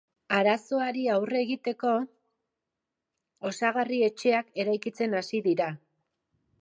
Arazoari aurre giteko, osagarri etxeak eraikitzen hasi dira.